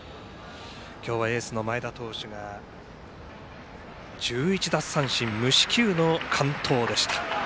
今日はエースの前田投手が１１奪三振、無四球の完投でした。